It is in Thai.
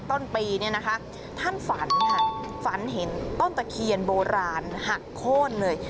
ต้นปีเนี่ยนะคะท่านฝันค่ะฝันเห็นต้นตะเคียนโบราณหักโค้นเลย